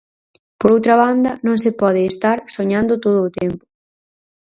Por outra banda, non se pode estar soñando todo o tempo.